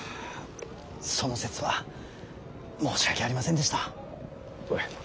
その節は申し訳ありませんでした。